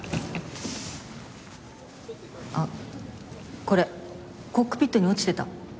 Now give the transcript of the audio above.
あっこれコックピットに落ちてた。